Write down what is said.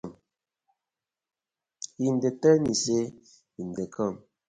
Him dey tey mi say im dey kom.